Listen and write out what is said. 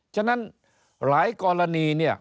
ฉะนั้นหลายกรณี